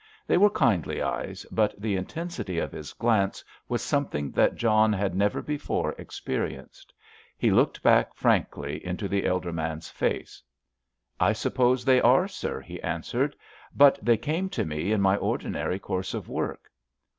They were kindly eyes, but the intensity of his glance was something that John had never before experienced. He looked back frankly into the elder man's face. "I suppose they are, sir," he answered, "but they came to me in my ordinary course of work."